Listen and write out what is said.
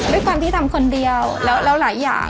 ด้วยความที่ทำคนเดียวแล้วหลายอย่าง